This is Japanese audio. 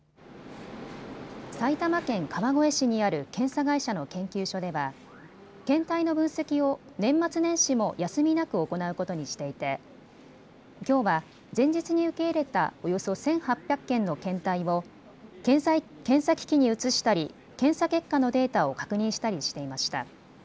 埼玉県川越市にある検査会社の研究所では検体の分析を年末年始も休みなく行うことにしていてきょうは前日に受け入れたおよそ１８００件の検体を検査機器に移したり検査結果のデータを確認したりしていました。